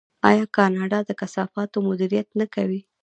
آیا کاناډا د کثافاتو مدیریت نه کوي؟